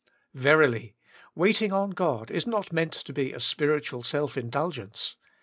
"Verily, waiting on God is not meant to be a spiritual self indulgence.